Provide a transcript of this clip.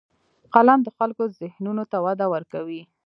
قلم د خلکو ذهنونو ته وده ورکوي